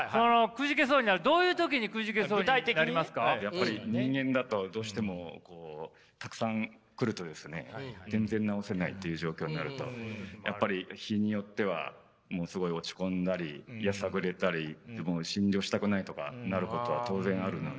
やっぱり人間だとどうしてもこうたくさん来るとですね全然治せないという状況になるとやっぱり日によってはもうすごい落ち込んだりやさぐれたりもう診療したくないとかなることは当然あるので。